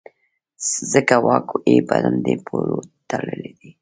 ځکه واک یې په همدې پولو تړلی دی.